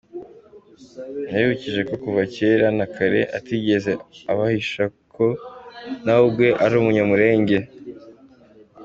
Yabibukije ko kuva kera na kare atigeze abahisha ko nawe ubwe ari umunyamulenge.